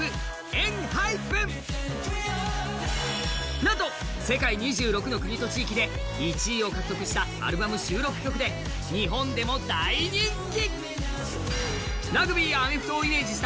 なんと世界２６の国と地域で位を獲得したアルバム収録曲で日本でも大人気。